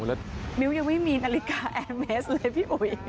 แล้วมิ้วยังไม่มีนาฬิกาแอร์เมสเลยพี่อุ๋ย